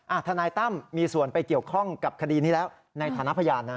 ทนายตั้มมีส่วนไปเกี่ยวข้องกับคดีนี้แล้วในฐานะพยานนะ